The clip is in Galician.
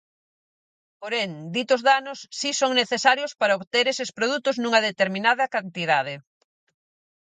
Porén, ditos danos si son necesarios para obter eses produtos nunha determinada cantidade.